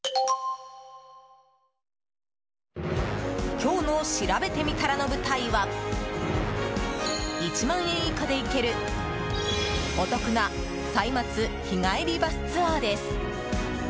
今日のしらべてみたらの舞台は１万円以下で行けるお得な歳末日帰りバスツアーです。